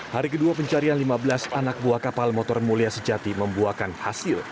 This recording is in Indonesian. hari kedua pencarian lima belas anak buah kapal motor mulia sejati membuahkan hasil